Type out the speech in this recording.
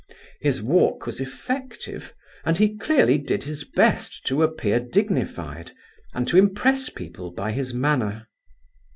His walk was effective, and he clearly did his best to appear dignified, and to impress people by his manner.